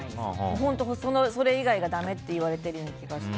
本当に、それ以外がだめと言われているような気がして。